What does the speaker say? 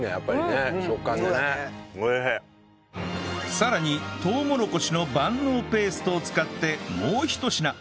さらにとうもろこしの万能ペーストを使ってもうひと品